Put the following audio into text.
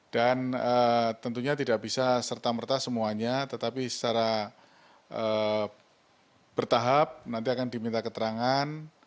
dan tentunya tidak bisa serta merta semuanya tetapi secara bertahap nanti akan diminta keterangan